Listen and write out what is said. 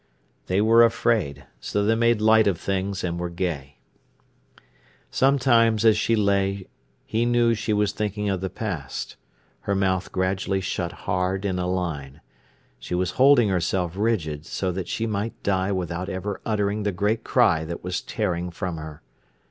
They were afraid, so they made light of things and were gay. Sometimes as she lay he knew she was thinking of the past. Her mouth gradually shut hard in a line. She was holding herself rigid, so that she might die without ever uttering the great cry that was tearing from her.